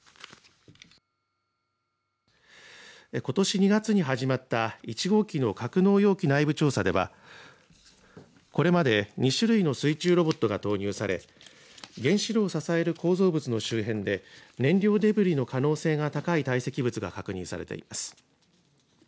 ことし２月に始まった１号機の格納容器内部調査ではこれまで２種類の水中ロボットが投入され原子炉を支える構造物の周辺で燃料デブリの可能性が高い堆積物が確認されています。